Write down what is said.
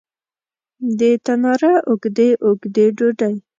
د تناره اوږدې، اوږدې ډوډۍ